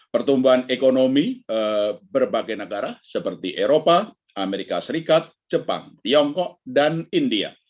pertumbuhan ekonomi berbagai negara seperti eropa amerika serikat jepang tiongkok dan india